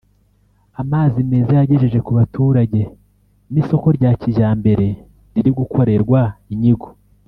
amazi meza yagejeje ku baturage n’isoko rya kijyambere riri gukorerwa inyigo